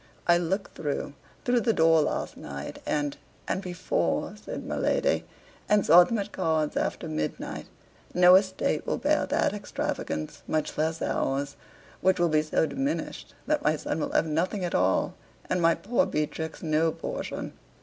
I looked through through the door last night, and and before," said my lady, "and saw them at cards after midnight; no estate will bear that extravagance, much less ours, which will be so diminished that my son will have nothing at all, and my poor Beatrix no portion!"